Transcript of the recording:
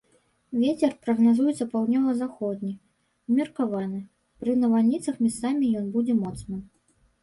Вецер прагназуецца паўднёва-заходні, умеркаваны, пры навальніцах месцамі ён будзе моцным.